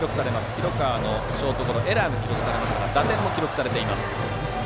広川のショートゴロにはエラーが記録されましたが打点も記録されています。